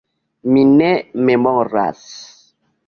Mi ne memoras.